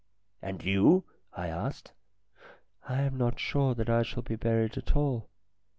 "And you?" I asked. "I am not sure that I shall be buried at all.